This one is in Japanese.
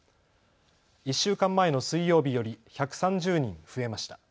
１週間前の水曜日より１３０人増えました。